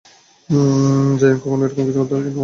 জায়ন কখনও এরকম কিছু তৈরী করতে পারত না।